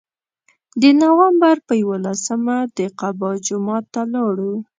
د نوامبر په یولسمه د قبا جومات ته لاړو.